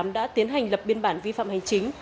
đã tiến hành lập biên bản vi phạm hành chính